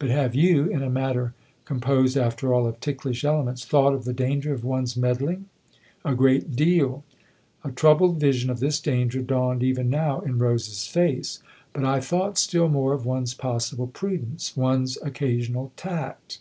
But have you in a matter composed, after all, of ticklish elements thought of the danger of one's meddling ?"" A great deal." A troubled vision of this danger dawned even now in Rose's face. " But I've thought still more of one's possible prudence one's occa sional tact."